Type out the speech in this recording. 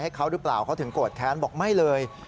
ให้เขาหรือเปล่าเขาถึงโกรธแค้นบอกไม่เลย